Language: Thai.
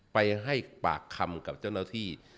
ไปให้ปากคำกับเจ้าหน้าที่